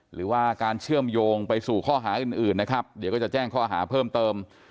หรือว่าการเชื่อมโยงไปสู่ข้อหาอื่นนะครับเดี๋ยวก็จะแจ้งข้อหาเพิ่มเติม